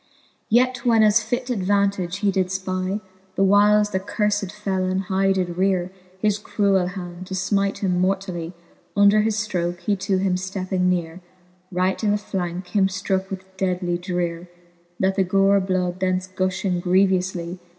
Yet when as fit advantage he did fpy, The whiles the curfed felon high did reare His cruell hand, to fmite him mortally, Under his ftroke he to him fi:epping neare, Right in the flanke him ftrooke with deadly dreare, That the gore bloud thence guihing grievoufly.